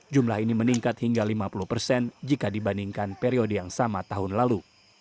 jumlah ini meningkat hingga lima puluh persen jika dibandingkan periode yang sama tahun lalu